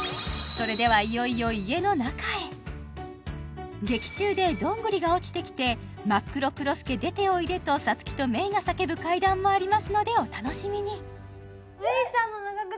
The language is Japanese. それではいよいよ家の中へ劇中でどんぐりが落ちてきて「マックロクロスケ出ておいで」とサツキとメイが叫ぶ階段もありますのでお楽しみにねえ